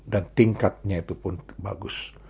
dan tingkatnya itu pun bagus